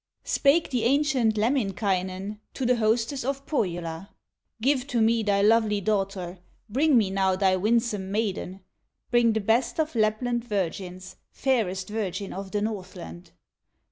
Spake the ancient Lemminkainen To the hostess of Pohyola: "Give to me thy lovely daughter, Bring me now thy winsome maiden, Bring the best of Lapland virgins, Fairest virgin of the Northland."